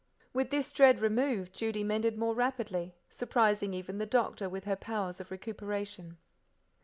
With this dread removed, Judy mended more rapidly, surprising even the doctor with her powers of recuperation.